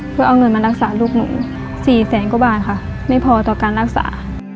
เพื่อเอาเงินมารักษาลูกหนูสี่แสนกว่าบาทค่ะไม่พอต่อการรักษา